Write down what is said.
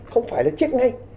không phải là chết ngay